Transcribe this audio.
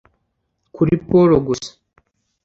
kuri paul gusa